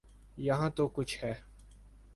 یہاں تو کچھ ہے۔